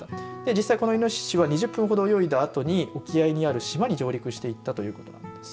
実際、このいのししは２０分ほど泳いだあとに沖合にある島に上陸していったということなんです。